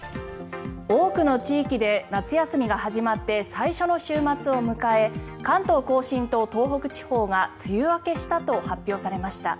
多くの地域で夏休みが始まって最初の週末を迎え関東・甲信と東北地方が梅雨明けしたと発表されました。